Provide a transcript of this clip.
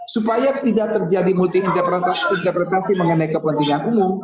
supaya tidak terjadi multi interpretasi mengenai kepentingan umum